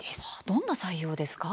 どんな採用ですか？